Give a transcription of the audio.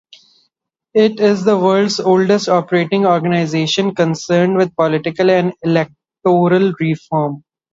It is the world's oldest operating organisation concerned with political and electoral reform.